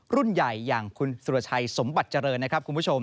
รุ่นใหญ่อย่างคุณสุรชัยสมบัติเจริญนะครับคุณผู้ชม